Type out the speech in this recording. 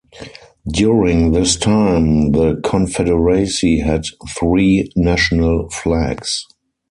During this time, the Confederacy had three national flags.